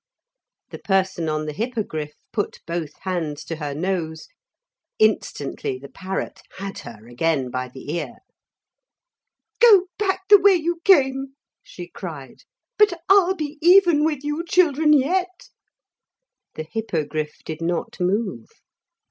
The person on the Hippogriff put both hands to her nose. Instantly the parrot had her again by the ear. 'Go back the way you came,' she cried; 'but I'll be even with you children yet.' The Hippogriff did not move.